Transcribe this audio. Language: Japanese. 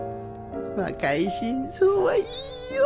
若い心臓はいいよ！